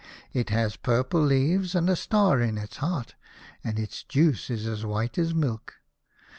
It has purple leaves, and a star in its heart, and its juice is as white as milk.